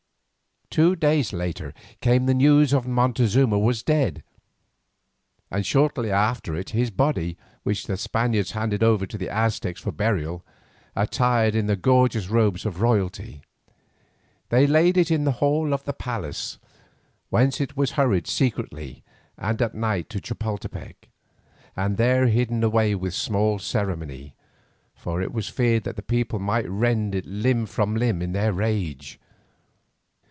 Two days later came the news that Montezuma was dead, and shortly after it his body, which the Spaniards handed over to the Aztecs for burial, attired in the gorgeous robes of royalty. They laid it in the hall of the palace, whence it was hurried secretly and at night to Chapoltepec, and there hidden away with small ceremony, for it was feared that the people might rend it limb from limb in their rage.